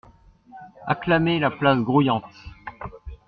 Acclamait la place grouillante.